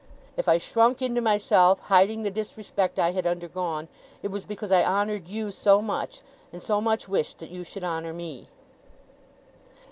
If I shrunk into myself, hiding the disrespect I had undergone, it was because I honoured you so much, and so much wished that you should honour me!